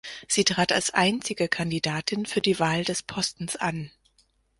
Sie trat als einzige Kandidatin für die Wahl des Postens an.